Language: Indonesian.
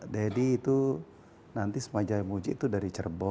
daddy itu nanti semuanya jaya muci itu dari cerbon